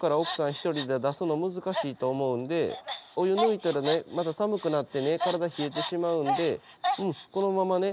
一人で出すの難しいと思うんでお湯抜いたらねまた寒くなってね体冷えてしまうんでこのままね